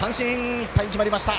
いっぱいに決まりました。